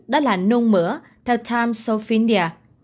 đó là nôn mỡ theo times of india